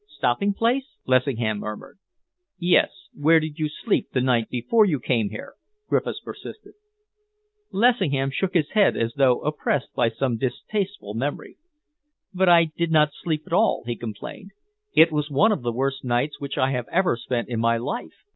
"Stopping place?" Lessingham murmured. "Yes, where did you sleep the night before you came here?" Griffiths persisted. Lessingham shook his head as though oppressed by some distasteful memory. "But I did not sleep at all," he complained. "It was one of the worst nights which I have ever spent in my life."